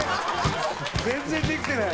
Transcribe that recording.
全然できてない。